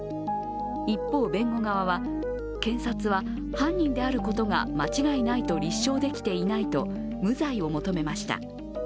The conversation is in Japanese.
一方、弁護側は、検察は犯人であることが間違いないと立証できていないと無罪を求めました。